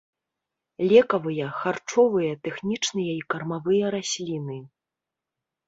Лекавыя, харчовыя, тэхнічныя і кармавыя расліны.